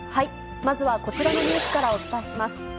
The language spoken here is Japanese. まずはこちらのニュースからお伝えします。